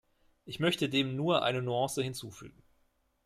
Ich möchte dem nur eine Nuance hinzufügen.